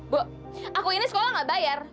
bu aku ini sekolah gak bayar